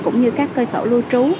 cũng như các cơ sở lưu trú